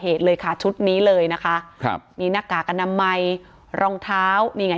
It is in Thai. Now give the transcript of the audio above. เลยค่ะชุดนี้เลยนะคะครับมีหน้ากากอนามัยรองเท้านี่ไง